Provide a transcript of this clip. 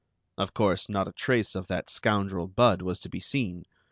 Of course, not a trace of that scoundrel Budd was to be seen.